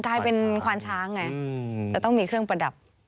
กลายเป็นควานช้างไงแต่ต้องมีเครื่องประดับ